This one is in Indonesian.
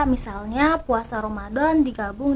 misalnya puasa ramadan digabung